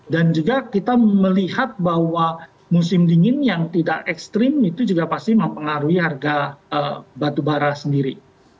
dan juga kita melihat bahwa musim dingin yang tidak ekstrim itu juga pasti mempengaruhi harga batubara sendiri